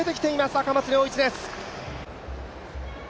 赤松諒一です。